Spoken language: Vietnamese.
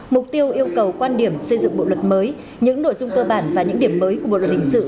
mục tiêu yêu cầu quan điểm xây dựng bộ luật mới những nội dung cơ bản và những điểm mới của bộ luật hình sự